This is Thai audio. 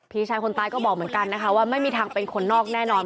พี่ชายคนตายก็บอกเหมือนกันนะคะว่าไม่มีทางเป็นคนนอกแน่นอน